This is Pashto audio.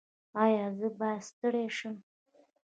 ایا زه باید ستړی شم؟